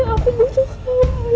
aku butuh kamu